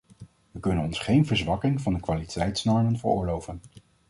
We kunnen ons geen verzwakking van de kwaliteitsnormen veroorloven.